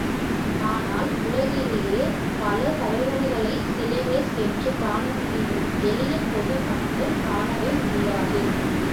ஆனால், உலகியலில் பல தலைவர்களைச் சிலரே சென்று காணமுடியும் எளிய பொது மக்கள் காணவே முடியாது.